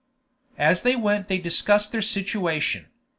As they went they discussed their situation.